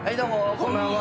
こんばんは。